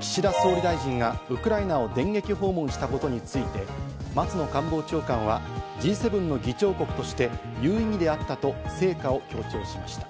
岸田総理大臣がウクライナを電撃訪問したことについて、松野官房長官は、Ｇ７の議長国として有意義であったと成果を強調しました。